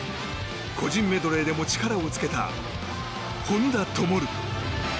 個人メドレーでも力をつけた本多灯。